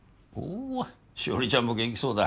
お紫織ちゃんも元気そうだ。